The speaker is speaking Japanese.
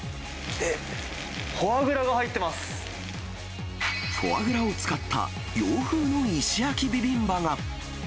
えっ、フォアグラが入ってまフォアグラを使った洋風の石焼きビビンバが。